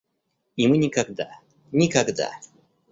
И мы никогда, никогда!